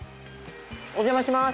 お邪魔します。